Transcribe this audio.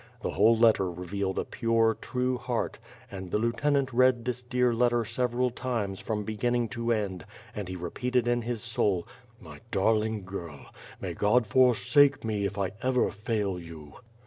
The whole letter revealed a pure, true heart; and the lieutenant read this dear letter several times from begin ning to end and he repeated in his soul, "My darling girl! May God forsake me if I ever fail you."